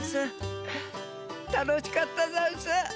たのしかったざんす。